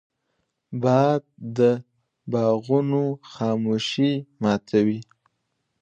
باد د باغونو خاموشي ماتوي